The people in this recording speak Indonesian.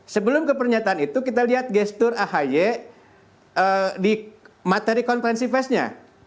sebelum kepernyataan itu kita lihat gestur ahy di materi konferensi fesnya